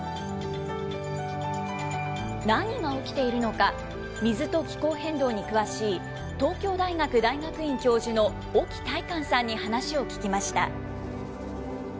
何が起きているのか、水と気候変動に詳しい東京大学大学院教授の沖大幹さんに話を聞きました。